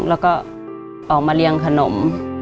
แล้วก็ออกมาเรียงขนม